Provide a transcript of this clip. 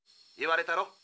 言われたろ